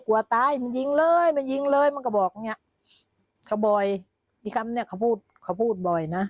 กลัวเขามายิงอ่ะเขาดุมันมันก็บอกเดี๋ยวก็จะฆ่าก็ยิง